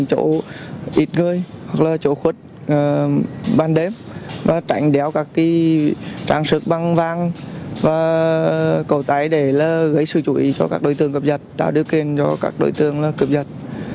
chỗ khuất bàn đếm tránh đéo các trang sức băng vàng và cầu tái để gây sự chú ý cho các đối tượng cập nhật tạo được kênh cho các đối tượng cập nhật